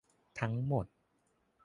ทั้งหมด